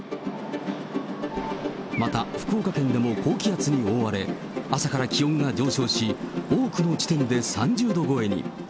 また、福岡県でも高気圧に覆われ、朝から気温が上昇し、多くの地点で３０度超えに。